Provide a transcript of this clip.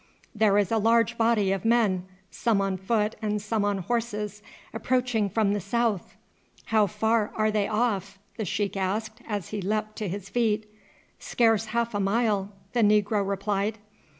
"There is a large body of men, some on foot and some on horses, approaching from the south." "How far are they off?" the sheik asked as he leapt to his feet. "Scarce half a mile," the negro replied.